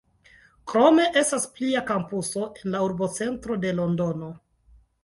Krome, estas plia kampuso en la urbocentro de Londono.